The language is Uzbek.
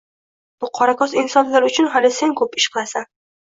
Bu qorakoʻz insonlar uchun hali sen koʻp ishlar qilasan.